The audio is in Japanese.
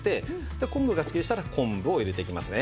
昆布が好きでしたら昆布を入れていきますね。